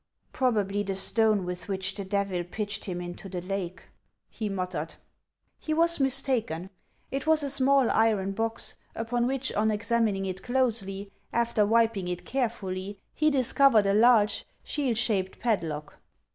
" Probably the stone with which the Devil pitched him into the lake," he muttered. 484 HANS OF ICELAND. He was mistaken ; it was a small iron box, upon which, on examining it closely, after wiping it carefully, he dis covered a large shield shaped padlock.